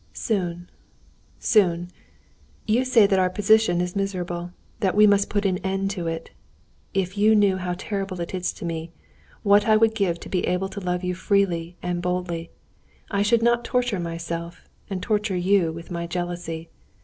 "Soon, soon. You say that our position is miserable, that we must put an end to it. If you knew how terrible it is to me, what I would give to be able to love you freely and boldly! I should not torture myself and torture you with my jealousy....